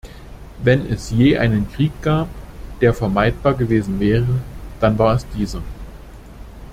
Wenn es je einen Krieg gab, der vermeidbar gewesen wäre, dann war es dieser.